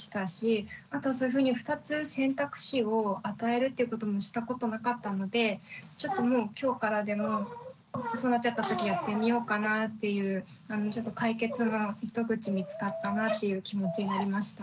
あとそういうふうに２つ選択肢を与えるっていうこともしたことなかったのでちょっともう今日からでもそうなっちゃったときやってみようかなっていう解決の糸口見つかったなっていう気持ちになりました。